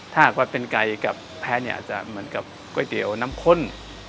ถ้าหากว่าเป็นไก่กับแพ้เนี่ยอาจจะเหมือนกับก๋วยเตี๋ยวน้ำข้น